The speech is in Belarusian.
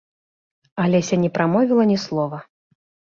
Алеся не прамовіла ні слова.